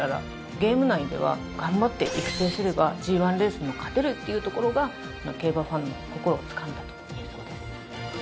ゲーム内では頑張って育成すればＧ１レースにも勝てるというところが競馬ファンの心をつかんだと言えそうです。